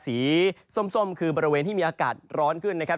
สีส้มคือบริเวณที่มีอากาศร้อนขึ้นนะครับ